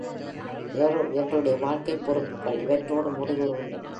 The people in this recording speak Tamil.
இவர்களுடைய வாழ்க்கைப் பொறுப்புக்கள் இவற்றோடு முடிவுறுகின்றன.